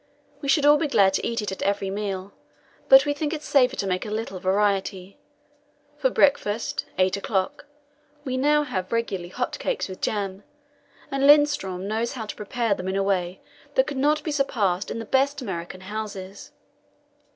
We should all be glad to eat it at every meal, but we think it safer to make a little variety. For breakfast eight o'clock we now have regularly hot cakes with jam, and Lindström knows how to prepare them in a way that could not be surpassed in the best American houses.